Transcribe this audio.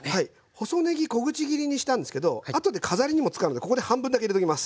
細ねぎ小口切りにしたんですけどあとで飾りにも使うのでここに半分だけ入れときます。